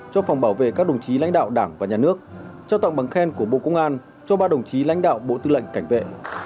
cho phòng bảo vệ các đồng chí lãnh đạo đảng và nhà nước trao tặng bằng khen của bộ công an cho ba đồng chí lãnh đạo bộ tư lệnh cảnh vệ